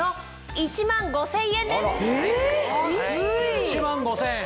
１万５０００円。